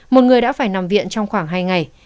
một người đã phải nằm viện trong khoảng hai ngày